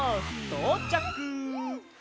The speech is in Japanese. とうちゃく。